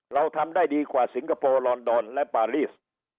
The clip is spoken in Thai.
เราทำได้ดีกว่าสิงคโปร์ลอนดอนและปารีส